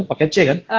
pake c kan